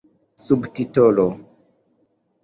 subtitolo